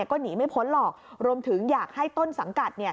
ก็หนีไม่พ้นหรอกรวมถึงอยากให้ต้นสังกัด